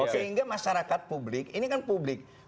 sehingga masyarakat publik ini kan publik